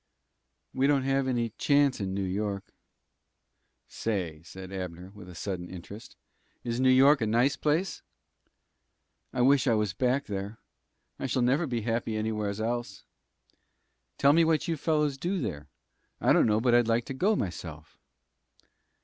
"We don't have any chance in New York." "Say," exclaimed Abner, with sudden interest, "is New York a nice place?" "I wish I was back there. I never shall be happy anywhere's else." "Tell me what you fellows do there. I dunno but I'd like to go myself."